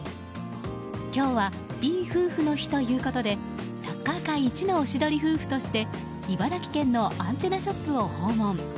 今日はいい夫婦の日ということでサッカー界いちのおしどり夫婦として茨城県のアンテナショップを訪問。